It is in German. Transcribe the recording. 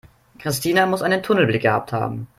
Christina muss einen Tunnelblick gehabt haben.